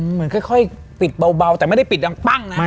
เหมือนค่อยปิดเบาแต่ไม่ได้ปิดดังปั้งนะ